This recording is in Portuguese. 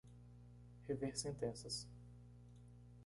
Rever sentenças.